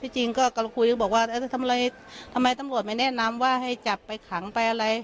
จริงก็กำลังคุยก็บอกว่าทำไมตำรวจไม่แนะนำว่าให้จับไปขังไปอะไร